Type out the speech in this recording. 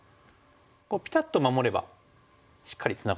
こうピタッと守ればしっかりツナがりますよね。